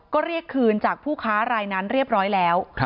ก็เรียกคืนจากผู้ค้ารายนั้นเรียบร้อยแล้ว